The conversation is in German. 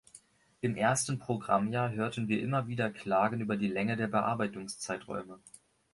Im ersten Programmjahr hörten wir immer wieder Klagen über die Länge der Bearbeitungszeiträume.